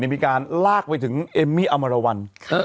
มีการลากไปถึงเอมมี่อมรวรรณ